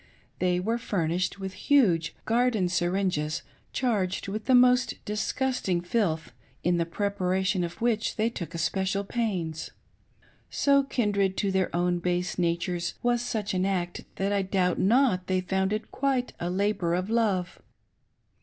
They were furnished with huge garden syringes charged with the most disgusting filth, in the preparation of which they took especial pains. So kindred to their own base natures was such an act that I doubt not they found it quite a labor of lov«.